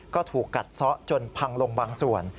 ก็ถูกกัดซะจนพังลงบางส่วน